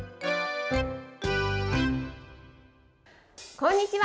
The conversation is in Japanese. こんにちは。